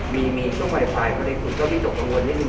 มีมีช่วงไวไฟฟ้าเลยคุณก็ได้ตกปังวน